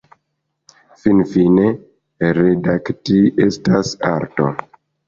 Finfine, redakti estas arto.